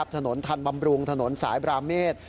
ถนนทันบำรุงถนนสายบราเมษ